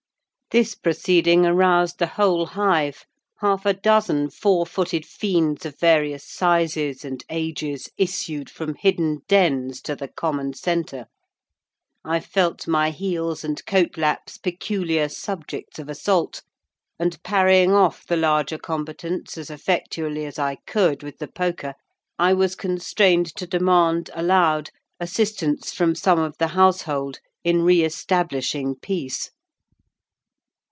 This proceeding aroused the whole hive: half a dozen four footed fiends, of various sizes and ages, issued from hidden dens to the common centre. I felt my heels and coat laps peculiar subjects of assault; and parrying off the larger combatants as effectually as I could with the poker, I was constrained to demand, aloud, assistance from some of the household in re establishing peace.